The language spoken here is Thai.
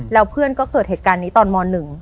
แล้วเพื่อนก็เกิดเหตุการณ์นี้ตอนม๑